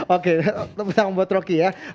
oke terima kasih mbak troki ya